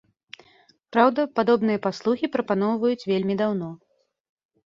Праўда, падобныя паслугі прапаноўваюць вельмі даўно.